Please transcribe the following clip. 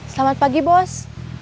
selamat pagi bos